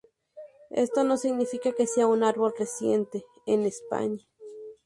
Esto no significa que sea un árbol reciente en España.